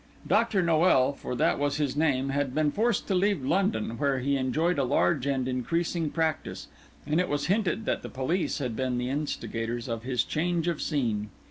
Dr. Noel, for that was his name, had been forced to leave London, where he enjoyed a large and increasing practice; and it was hinted that the police had been the instigators of this change of scene.